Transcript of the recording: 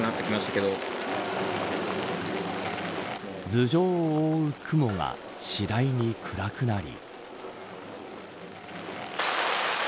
頭上を覆う雲が次第に暗くなり。